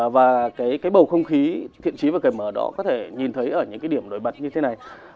và cái bầu không khí thiện trí và cởi mở đó có thể nhìn thấy ở những cái điểm nổi bật như thế này